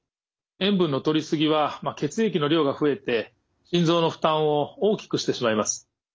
塩分のとり過ぎは血液の量が増えて心臓の負担を大きくしてしまいます。